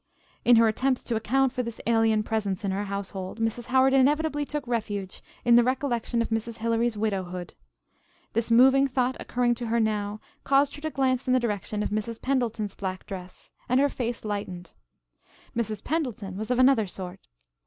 In her attempts to account for this alien presence in her household, Mrs. Howard inevitably took refuge in the recollection of Mrs. Hilary's widowhood. This moving thought occurring to her now caused her to glance in the direction of Mrs. Pendleton's black dress and her face lightened. Mrs. Pendleton was of another sort.